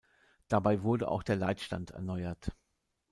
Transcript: Dabei wurde auch der Leitstand erneuert.